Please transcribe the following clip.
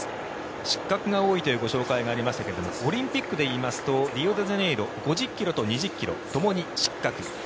失格が多いというご紹介がありましたけどもオリンピックでいいますとリオデジャネイロ５０ｋｍと２０ｋｍともに失格。